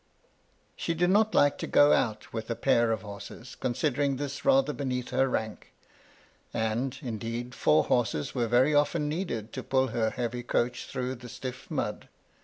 She did not like to go out with a psdr of horses, considering this rather beneath her rank ; and^ indeed, four horses were very often needed to pull her heavy coach through the stiff mud.